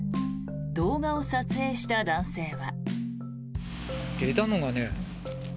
動画を撮影した男性は。